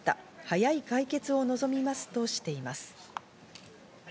早い解決を望みますとしています。